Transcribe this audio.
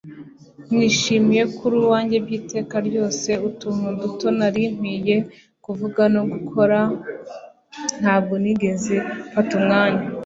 Nishimiye ko uri uwanjye byiteka ryose Utuntu duto nari nkwiye kuvuga no gukora Ntabwo nigeze mfata umwanya